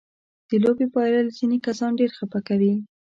د لوبې بایلل ځينې کسان ډېر خپه کوي.